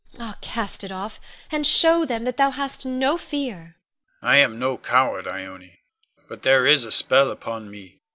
Ah, cast it off, and show them that thou hast no fear. Con. I am no coward, Ione; but there is a spell upon me.